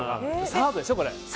サードでしょ、これ。